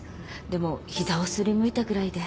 でも膝を擦りむいたぐらいで。